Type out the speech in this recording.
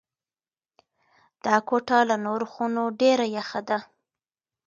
دا کوټه له نورو خونو ډېره یخه ده.